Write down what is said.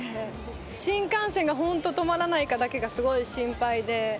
新幹線がほんと止まらないかだけが、すごい心配で。